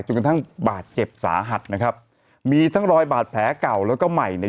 กระทั่งบาดเจ็บสาหัสนะครับมีทั้งรอยบาดแผลเก่าแล้วก็ใหม่เนี่ย